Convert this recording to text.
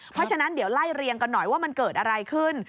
เพราะฉะนั้นเดี๋ยวไล่เรียงกันหน่อยว่ามันเกิดอะไรขึ้น